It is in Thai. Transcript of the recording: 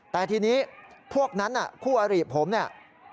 แต่ทีนี้พวกนั้นคู่อริผมเนี่ย